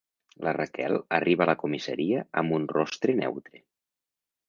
La Raquel arriba a la comissaria amb un rostre neutre.